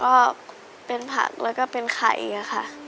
ก็เป็นผักแล้วก็เป็นไข่ค่ะ